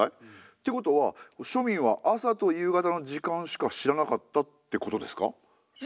てことは庶民は朝と夕方の時間しか知らなかったってことですか？